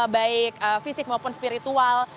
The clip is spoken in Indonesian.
baik fisik maupun spiritual